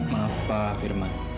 maaf pak firman